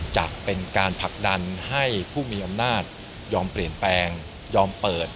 จะเป็นการผลักดันให้ผู้มีอำนาจยอมเปลี่ยนแปลงยอมเปิด